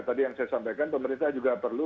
tadi yang saya sampaikan pemerintah juga perlu